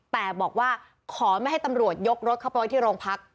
แต่บอกว่าขอไม่ให้ตำรวจยกรถเข้าไปไว้ที่โรงพัก